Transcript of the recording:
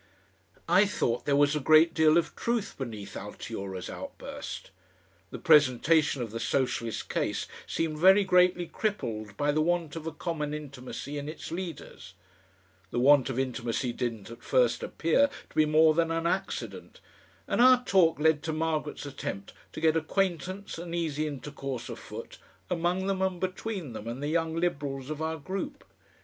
I thought there was a great deal of truth beneath Altiora's outburst. The presentation of the Socialist case seemed very greatly crippled by the want of a common intimacy in its leaders; the want of intimacy didn't at first appear to be more than an accident, and our talk led to Margaret's attempt to get acquaintance and easy intercourse afoot among them and between them and the Young Liberals of our group.